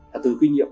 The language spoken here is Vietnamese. là từ kinh nghiệm